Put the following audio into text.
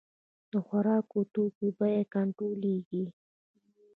د خوراکي توکو بیې کنټرولیږي